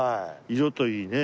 色といいねえ。